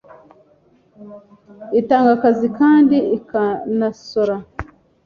Itanga akazi kandi ikanasora.